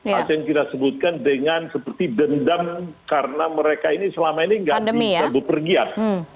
yang kita sebutkan dengan seperti dendam karena mereka ini selama ini gak bisa berpergian